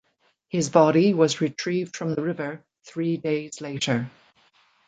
His body was retrieved from the river three days later.